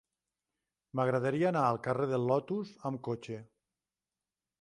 M'agradaria anar al carrer del Lotus amb cotxe.